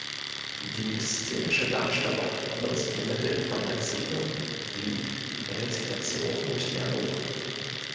Die szenische Darstellung nutzt die Mittel von Erzählung, Lied, Rezitation und Dialog.